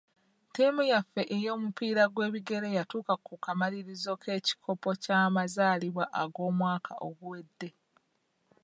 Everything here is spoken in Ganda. Ttiimu yaffe ey'omupiira gw'ebigere yatuuka ku kamalirizo k'ekikopo ky'amazaalibwa ag'omwaka oguwedde.